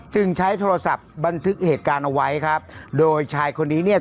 จึงใช้โทรศัพท์บันทึกเหตุการณ์เอาไว้ครับโดยชายคนนี้เนี่ย